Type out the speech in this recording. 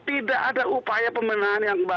tidak ada upaya pemenangan